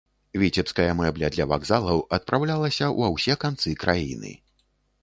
Віцебская мэбля для вакзалаў адпраўлялася ва ўсе канцы краіны.